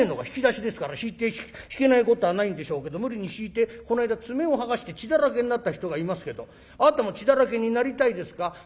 『引き出しですから引いて引けないことはないんでしょうけど無理に引いてこの間爪を剥がして血だらけになった人がいますけどあなたも血だらけになりたいですか？